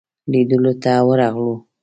لیدلو ته ورغلو.